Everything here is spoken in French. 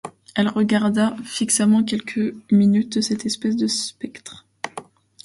Elle regarda fixement quelques minutes cette espèce de spectre.